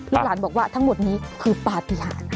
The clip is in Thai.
หลานบอกว่าทั้งหมดนี้คือปฏิหาร